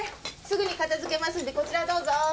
すぐに片づけますんでこちらどうぞ。